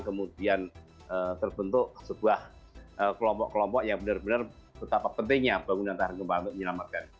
kemudian terbentuk sebuah kelompok kelompok yang benar benar betapa pentingnya bangunan tahan gempa untuk menyelamatkan